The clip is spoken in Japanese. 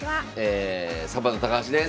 サバンナ高橋です。